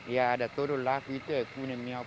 ya ada todo laku itu